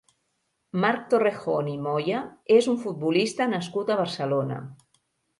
Marc Torrejón i Moya és un futbolista nascut a Barcelona.